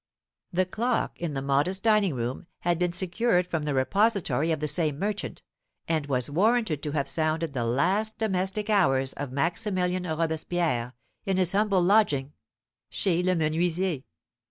The clock in the modest dining room had been secured from the repository of the same merchant, and was warranted to have sounded the last domestic hours of Maximilian Robespierre in his humble lodging chez le Menuisier.